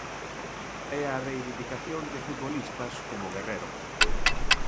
E a reivindicación de futbolistas como Guerrero.